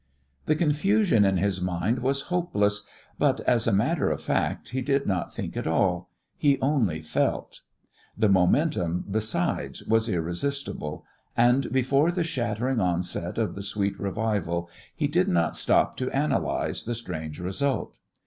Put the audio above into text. The confusion in his mind was hopeless, but, as a matter of fact, he did not think at all: he only felt. The momentum, besides, was irresistible, and before the shattering onset of the sweet revival he did not stop to analyse the strange result.